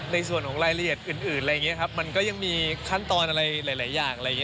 ในส่วนของรายละเอียดอื่นมันก็ยังมีคันตอนอะไรหลายอย่าง